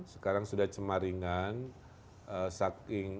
sekarang sudah cemaringan